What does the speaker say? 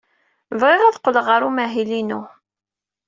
Bɣiɣ ad qqleɣ ɣer umahil-inu.